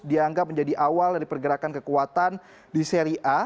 dianggap menjadi awal dari pergerakan kekuatan di seri a